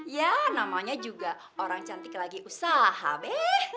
ya namanya juga orang cantik lagi usaha be